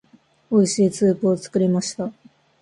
美味しいスープを作りました。